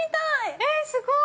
◆えっ、すごーい。